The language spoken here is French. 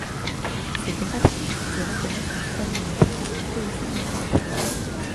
Ses compatriotes lui reconnaissent une supériorité dans la poésie lyrique.